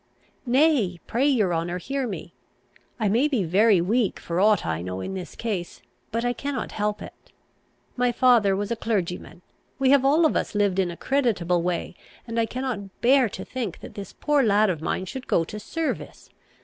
"Nay, pray your honour, hear me. I may be very weak for aught I know in this case, but I cannot help it. My father was a clergyman. We have all of us lived in a creditable way; and I cannot bear to think that this poor lad of mine should go to service.